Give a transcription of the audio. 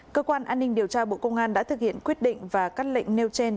cơ quan an ninh điều tra bộ công an đã thực hiện quyết định và các lệnh nêu trên